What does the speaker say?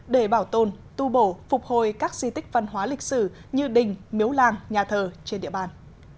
để bảo tồn tu bổ phục hồi các di tích văn hóa lịch sử như đình miếu làng nhà thờ trên địa bàn